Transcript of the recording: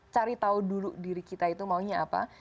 cari tahu dulu diri kita itu maunya apa